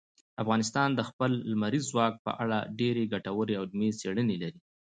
افغانستان د خپل لمریز ځواک په اړه ډېرې ګټورې او علمي څېړنې لري.